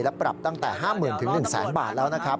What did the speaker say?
และปรับตั้งแต่๕๐๐๐๑๐๐๐บาทแล้วนะครับ